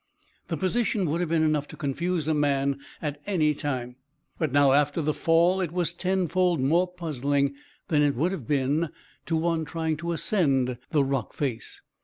The position would have been enough to confuse a man at any time, but now after the fall it was tenfold more puzzling than it would have been to one trying to ascend the rock face.